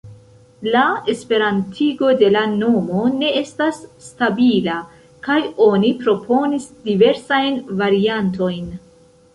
La esperantigo de la nomo ne estas stabila, kaj oni proponis diversajn variantojn.